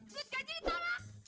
buat gaji ditolak